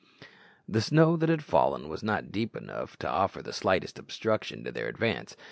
The snow that had fallen was not deep enough to offer the slightest obstruction to their advance.